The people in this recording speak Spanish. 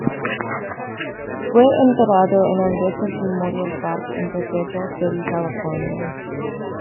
Fue enterrado en el Desert Memorial Park, en Cathedral City, California.